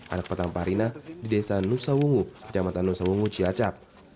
anak pertama parinah di desa nusa wungu jamatan nusa wungu cilacap